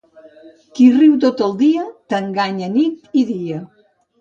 Qui riu tot el dia t'enganya nit i dia.